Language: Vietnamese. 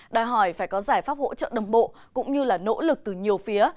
đòi hỏi phải có giải pháp hỗ trợ đồng bộ cũng như là nỗ lực từ nhiều phía